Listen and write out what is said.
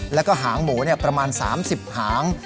แล้วก็หางหมูประมาณ๓๐หาง